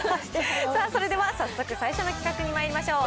それでは早速最初の企画にまいりましょう。